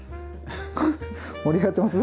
盛り上がってます？